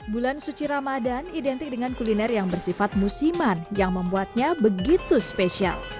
bulan suci ramadan identik dengan kuliner yang bersifat musiman yang membuatnya begitu spesial